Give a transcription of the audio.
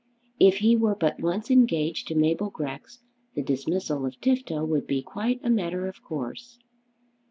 If he were but once engaged to Mabel Grex the dismissal of Tifto would be quite a matter of course.